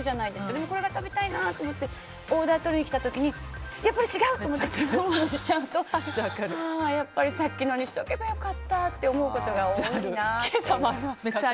でもこれが食べたいなと思ってオーダーを取りに来た時にやっぱり違う！と思って違うのにしちゃうとやっぱりさっきのにしとけば良かったって思うことが多いなっていう。